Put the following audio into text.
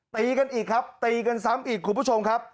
ตีกันอีกครับตีกันซ้ำอีกคุณผู้ชมครับ